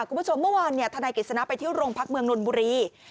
คุณผู้ชมเมื่อวานธนายกิจสนะไปที่โรงพักเมืองนนบุรี